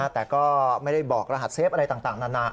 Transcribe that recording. แต่ก็ไม่ได้บอกรหัสเฟฟอะไรต่างนานา